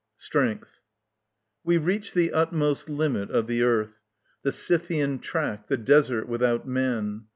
_ Strength. We reach the utmost limit of the earth, The Scythian track, the desert without man.